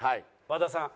和田さん。